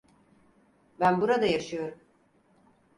Ben burada yaşıyorum.